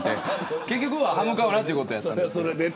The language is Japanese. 結局は、歯向かうなということやったんです。